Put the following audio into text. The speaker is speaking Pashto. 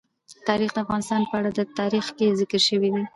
تاریخ د افغانستان په اوږده تاریخ کې ذکر شوی دی.